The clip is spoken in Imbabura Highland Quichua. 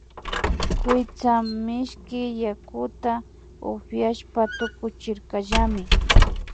Kuytsa mishki yakuta upiashpa tukuchirkallami